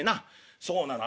「そうなの。